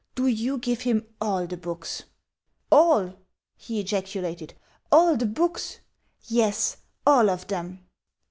"Do you give him all the books." "ALL?" he ejaculated. "ALL the books?" "Yes, all of them."